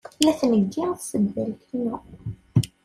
La tneggi tsebbalt-inu.